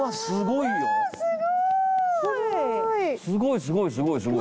すごいすごいすごい。